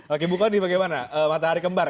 oke bu kondi bagaimana matahari kembar